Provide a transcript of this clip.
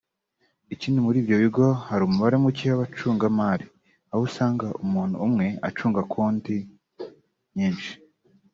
Ikindi muri ibyo bigo hari umubare muke w’abacungamari aho usanga umuntu umwe acunga konti nyinshi